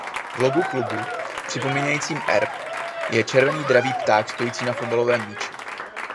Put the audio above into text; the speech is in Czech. V logu klubu připomínajícím erb je červený dravý pták stojící na fotbalovém míči.